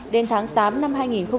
đến tháng tám năm hai nghìn hai mươi ba